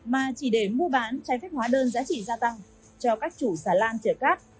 mà chỉ để mua bán trái phép hóa đơn giá trị gia tăng cho các chủ xà lan chở cát